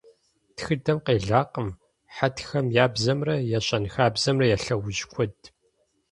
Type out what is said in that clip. Тхыдэм къелакъым хьэтхэм я бзэмрэ я щэнхабзэмрэ я лъэужь куэд.